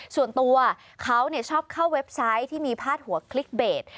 ส่วนตัวเขาชอบเข้าเว็บไซต์ที่มีพาดหัวคลิกเบส